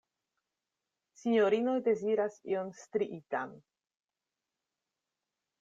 Sinjorinoj deziras ion striitan!